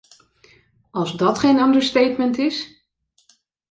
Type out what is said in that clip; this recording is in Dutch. Als dat geen understatement is!